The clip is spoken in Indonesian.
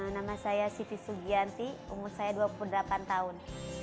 nama saya siti sugianti umur saya dua puluh delapan tahun